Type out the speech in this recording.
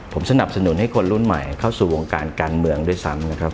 ผมสนับสนุนให้คนรุ่นใหม่เข้าสู่วงการการเมืองด้วยซ้ำนะครับ